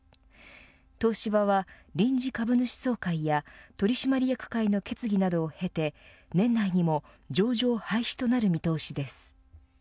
東芝は臨時株主総会や取締役会の決議などを経て年内にも上場廃止となる見通しです。